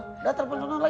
udah telepon telepon lagi